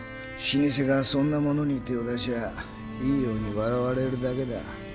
老舗がそんなものに手を出しゃいいように笑われるだけだ。